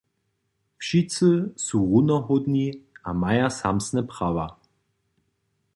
Wšitcy su runohódni a maja samsne prawa.